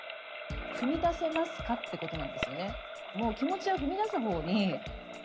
「踏み出せますか？」ってことなんですよね。